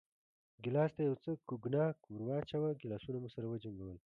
ګیلاس ته یو څه کوګناک ور واچوه، ګیلاسونه مو سره وجنګول.